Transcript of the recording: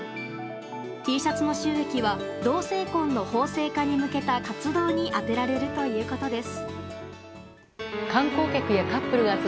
Ｔシャツの収益は同性婚の法制化に向けた活動に充てられるということです。